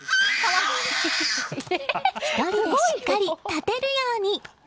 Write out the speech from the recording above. １人でしっかり立てるように。